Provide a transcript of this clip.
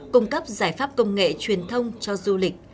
cung cấp giải pháp công nghệ truyền thông cho du lịch